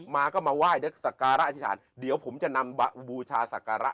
มาก็มาไหว้ศรักษาร์อาฆิษฐาน